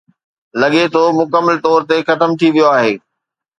لڳي ٿو مڪمل طور تي ختم ٿي ويو آهي.